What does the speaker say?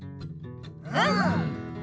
うん。